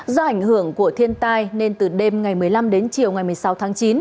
do ảnh hưởng của thiên tai nên từ đêm ngày một mươi năm đến chiều ngày một mươi sáu tháng chín